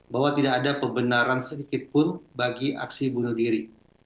bahwa tidak ada pembenaran sedikitpun bagi aksi bunuh diri